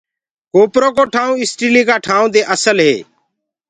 ڪوپرو ڪو ٺآئون اسٽيلي ڪآ ٽآئونٚ دي اسل هي۔